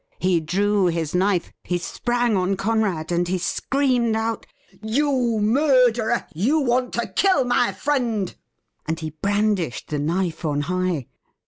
He drew his knife, he sprang on Conrad, and he screamed out :' You murderer, you want to kill my friend !' and ha brandished the knife on high.